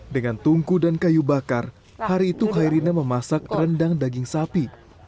dengan tungku dan kayu bakar hari itu khairina memasak rendang daging sapi